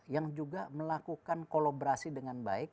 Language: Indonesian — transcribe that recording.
yang juga melakukan kolaborasi dengan baik